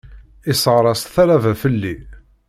Isseɣṛes talaba fell-i.